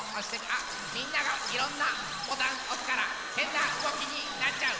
あっみんながいろんなボタンおすからへんなうごきになっちゃう。